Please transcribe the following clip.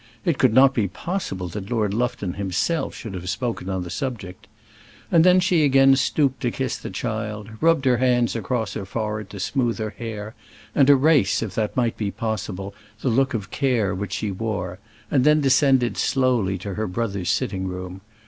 It could not be possible that Lord Lufton himself should have spoken on the subject! And then she again stooped to kiss the child, rubbed her hands across her forehead to smooth her hair, and erase, if that might be possible, the look of care which she wore, and then descended slowly to her brother's sitting room.